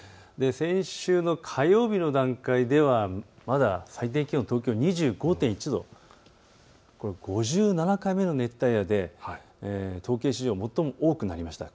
先週の火曜日の段階ではまだ最低気温、東京２５．１度、５７回目の熱帯夜で統計史上、最も多くなりました。